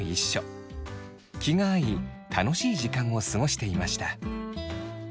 気が合い楽しい時間を過ごしていました。